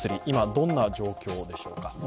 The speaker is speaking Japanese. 今、どんな状況でしょうか。